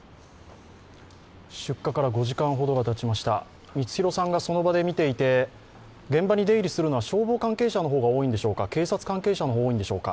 出火から５時間ほどがたちました三ツ廣さんがその場で見ていて、現場で出入りするのは消防関係者が多いんでしょうか、警察関係者の方が多いんでしょうか。